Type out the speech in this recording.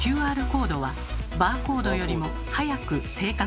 ＱＲコードはバーコードよりも「速く」「正確に」